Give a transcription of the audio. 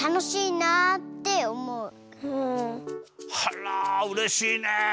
あらうれしいね。